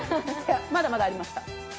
まだまだありました。